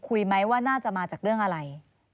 คุยไหมว่าน่าจะมาจากเรื่องอะไร